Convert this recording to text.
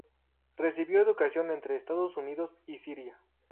Recibió educación entre Estados Unidos y Siria.